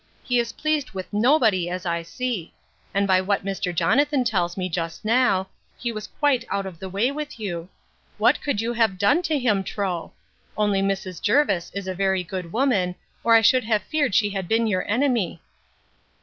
He is pleased with nobody as I see; and by what Mr. Jonathan tells me just now, he was quite out of the way with you. What could you have done to him, tro'? Only Mrs. Jervis is a very good woman, or I should have feared she had been your enemy.